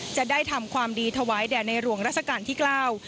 จะได้ทำความดีถวายแด่ในหลวงราชการที่เก้า